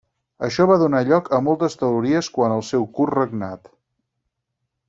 Això va donar lloc a moltes teories quant al seu curt regnat.